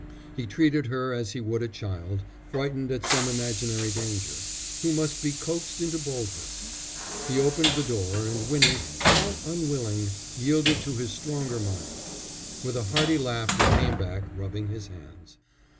He treated her as he would a child, frightened at some imaginary danger, who must be coaxed into boldness. He opened the door, and Winnie, all unwilling, yielded to his stronger mind. With a hearty laugh he came back, rubbing his hands.